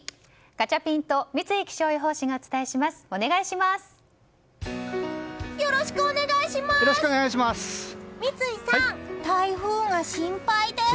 ガチャピンと三井気象予報士がお伝えします、お願いします。